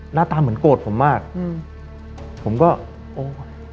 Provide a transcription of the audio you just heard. หน้าตาเหมือนโกรธผมมากอืมผมก็โอ้ย